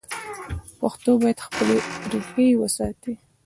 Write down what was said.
پښتو باید خپلې ریښې وساتي.